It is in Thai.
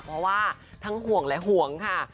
เพราะว่าทั้งห่วงและห่วงค่ะ